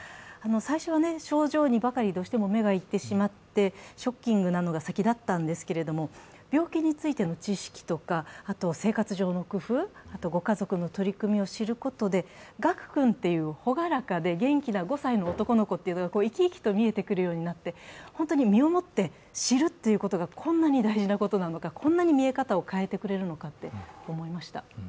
最初は症状にばかりどうしても目がいってしまってショッキングなのが先だったんですけれども、病気についての知識とか、あとは生活上の工夫、ご家族の取り組みを知ることで賀久君というほがらかで元気な５歳の男の子というのが生き生きと見えてくるようになって、本当に身を持って、知るということがこんなに大事なことなのか、こんなに見え方を変えてくれるのかと思いました。